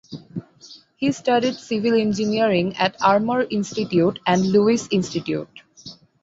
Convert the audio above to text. He studied civil engineering at Armour Institute and Lewis Institute.